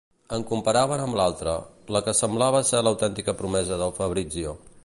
Em comparaven amb l'altra, la que semblava ser l'autèntica promesa del Fabrizio.